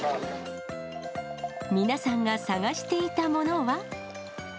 皆さんが探していたものは。